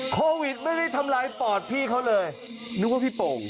โควิดไม่ได้ทำลายปอดพี่เขาเลยนึกว่าพี่โป่ง